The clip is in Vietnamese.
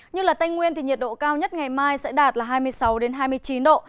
như là tây nguyên thì nhiệt độ cao nhất ngày mai sẽ đạt là hai mươi sáu hai mươi chín độ